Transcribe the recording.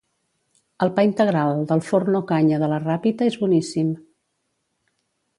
El pa integral del forn Ocaña de la Ràpita és boníssim